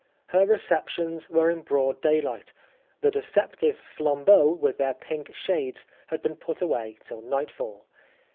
Her receptions were in broad daylight, the deceptive flambeaux with their pink shades had been put away till nightfall.